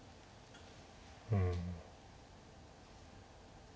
うん。